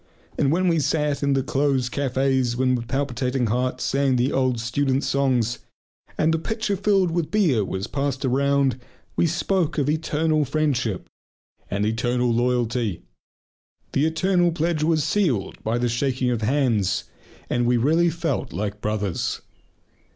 And when we sat in the close cafés and with palpitating hearts sang the old student songs, and the pitcher filled with beer was passed around, we spoke of "eternal friendship" and "eternal loyalty." The "eternal" pledge was sealed by the shaking of hands, and we really felt like brothers.